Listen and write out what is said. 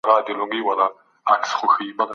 کوهی کیني ورلویږي